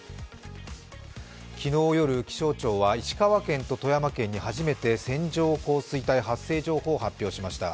昨日夜、気象庁は石川県と富山県に初めて線状降水帯発生情報を発表しました。